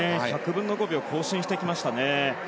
１００分の５秒更新してきましたね。